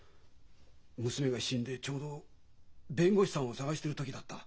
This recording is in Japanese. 娘が死んでちょうど弁護士さんを探してる時だった。